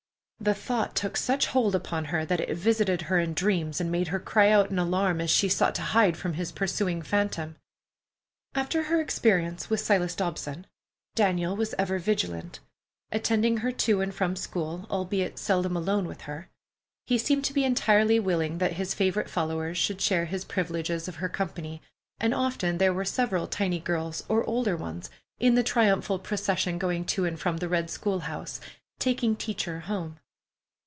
The thought took such hold upon her that it visited her in dreams and made her cry out in alarm as she sought to hide from his pursuing phantom. After her experience with Silas Dobson, Daniel was ever vigilant, attending her to and from school, albeit seldom alone with her. He seemed to be entirely willing that his favorite followers should share his privileges of her company; and often there were several tiny girls, or older ones, in the triumphal procession going to and from the red school house, taking "teacher" home.